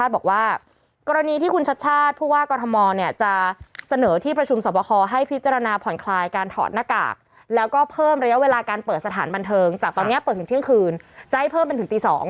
บอกว่ากรณีที่คุณชัดชาติผู้ว่ากรทมจะเสนอที่ประชุมสอบคอให้พิจารณาผ่อนคลายการถอดหน้ากากแล้วก็เพิ่มระยะเวลาการเปิดสถานบันเทิงจากตอนนี้เปิดถึงเที่ยงคืนจะให้เพิ่มเป็นถึงตี๒